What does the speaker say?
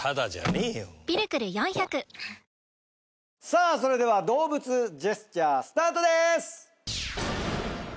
さあそれでは動物ジェスチャースタートです！